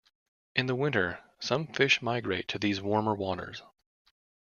In the winter, some fish migrate to these warmer waters.